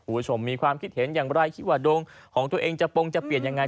คุณผู้ชมมีความคิดเห็นอย่างไรคิดว่าดวงของตัวเองจะปงจะเปลี่ยนยังไง